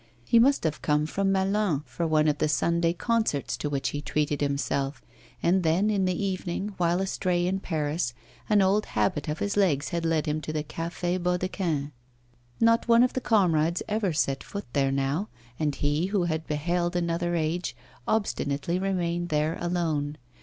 He must have come from Melun for one of the Sunday concerts to which he treated himself; and then, in the evening, while astray in Paris, an old habit of his legs had led him to the Café Baudequin. Not one of the comrades ever set foot there now, and he, who had beheld another age, obstinately remained there alone.